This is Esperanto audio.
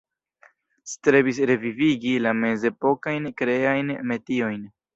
Strebis revivigi la mezepokajn kreajn metiojn.